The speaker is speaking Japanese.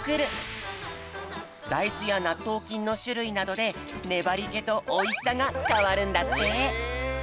だいずやなっとうきんのしゅるいなどでねばりけとおいしさがかわるんだって。